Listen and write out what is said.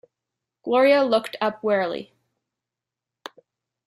Gloria looked up wearily.